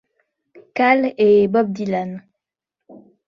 Cale et Bob Dylan.